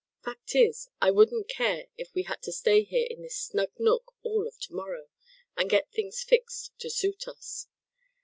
Fact is, I wouldn't care if we had to stay here in this snug nook all of tomorrow, and get things fixed to suit us.